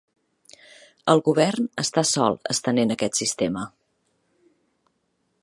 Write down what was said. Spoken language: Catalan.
El govern està sol estenent aquest sistema.